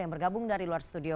yang bergabung dari luar studio